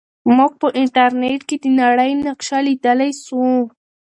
موږ په انټرنیټ کې د نړۍ نقشه لیدلی سو.